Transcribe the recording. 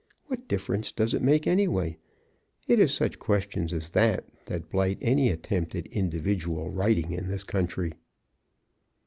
What difference does it make, anyway? It is such questions as that, that blight any attempt at individual writing in this country.)